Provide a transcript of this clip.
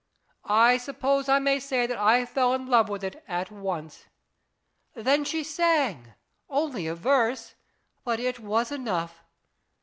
I suppose I may say that I fell in love with it at once. Then she sang ; only a verse, but it was enough.